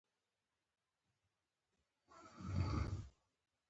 افغانستان د کوچیانو له پلوه ځانته ځانګړتیا لري.